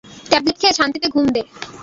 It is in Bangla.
ট্যাবলেট খেয়ে শান্তিতে ঘুম দে।